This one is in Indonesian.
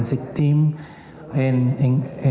saya juga pernah di inggris